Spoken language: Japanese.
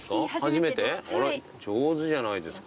上手じゃないですか。